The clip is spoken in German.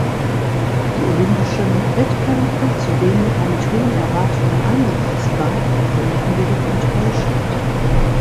Die olympischen Wettkämpfe, zu denen er mit hohen Erwartungen angereist war, verliefen jedoch enttäuschend.